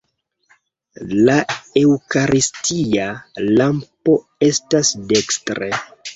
La eŭkaristia lampo estas dekstre.